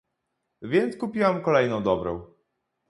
Więc kupiłam kolejną dobrą